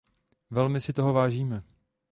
Velmi si toho vážíme.